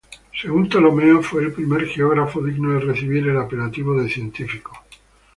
Según Ptolomeo, fue el primer geógrafo digno de recibir el apelativo de científico.